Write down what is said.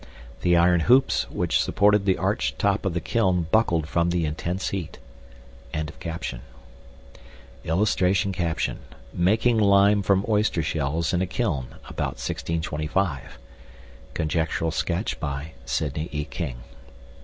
THE IRON HOOPS WHICH SUPPORTED THE ARCHED TOP OF THE KILN BUCKLED FROM THE INTENSE HEAT.] [Illustration: MAKING LIME FROM OYSTER SHELLS IN A KILN, ABOUT 1625. (Conjectural sketch by Sidney E. King.)